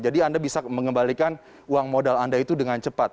jadi anda bisa mengembalikan uang modal anda itu dengan cepat